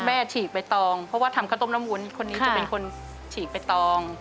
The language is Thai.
ฉีกใบตองเพราะว่าทำข้าวต้มน้ำวุ้นคนนี้จะเป็นคนฉีกใบตอง